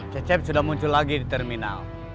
cecep sudah muncul lagi di terminal